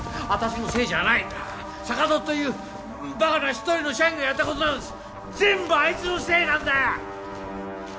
私のせいじゃないんだ坂戸というバカな１人の社員がやったことなんです全部あいつのせいなんだ！